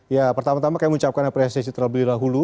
ya pertama tama kami ucapkan apresiasi terlebih dahulu